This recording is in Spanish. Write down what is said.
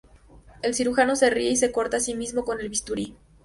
El cirujano se ríe y se corta a sí mismo con el bisturí.